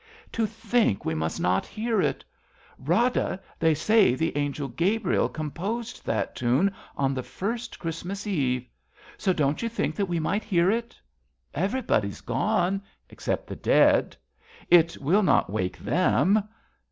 69 RADA To think we must not hear it ! Rada, they say The Angel Gabriel composed that tune On the first Christmas Eve. So don't you think That we might hear it? Everybody is gone, except the dead. It will not wake them.